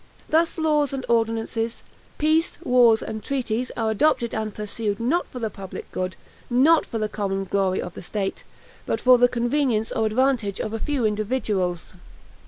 Thus laws and ordinances, peace, wars, and treaties are adopted and pursued, not for the public good, not for the common glory of the state, but for the convenience or advantage of a few individuals.